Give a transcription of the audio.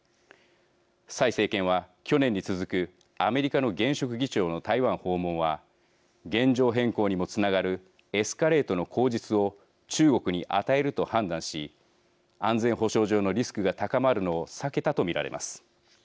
蔡政権は去年に続くアメリカの現職議長の台湾訪問は現状変更にもつながるエスカレートの口実を中国に与えると判断し安全保障上のリスクが高まるのを避けたと見られます。